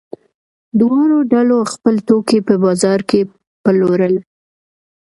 دواړو ډلو خپل توکي په بازار کې پلورل.